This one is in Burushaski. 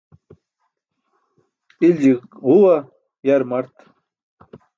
Ilji ġuwa, yar mart.